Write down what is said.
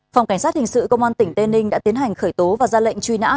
phòng cảnh sát hình sự công an tỉnh tây ninh đã tiến hành khởi tố và ra lệnh truy nã